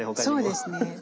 そうですね。